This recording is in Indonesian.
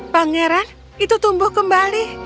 pangeran itu tumbuh kembali